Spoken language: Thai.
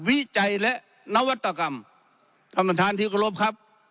วิจัยและนวัตถกรรมถธิกรพครับ